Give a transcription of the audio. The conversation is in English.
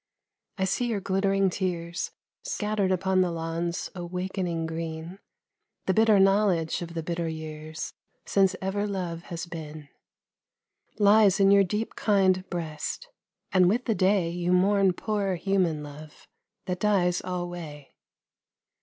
I see your glittering tears Scattered upon the lawn's awaking green ; The bitter knowledge of the bitter years Since ever love has been, Lies in your deep, kind breast, and with the day You mourn poor human love, that dies alway.